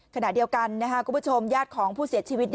ขณะเดียวกันคุณผู้ชมญาติของผู้เสียชีวิต